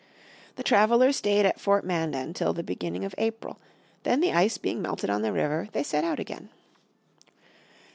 The travelers stayed at Fort Mandan till the beginning of April; then the ice being melted on the river they set out again.